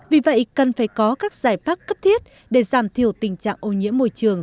vì vậy cần phải có các giải pháp cấp thiết để giảm thiểu tình trạng ô nhiễm môi trường